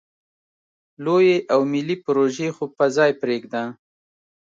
لویې او ملې پروژې خو په ځای پرېږده.